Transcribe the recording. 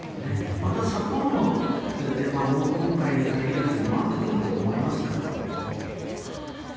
また札幌の出番は今回に限らず回ってくると思いますから。